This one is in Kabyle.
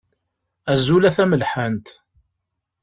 Azul a tamelḥant.